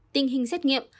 tình hình xét nghiệm